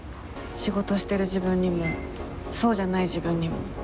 仕事してる自分にもそうじゃない自分にも。